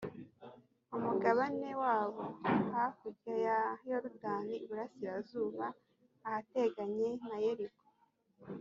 umugabane wabo hakurya ya yorudani iburasirazuba, ahateganye na yeriko.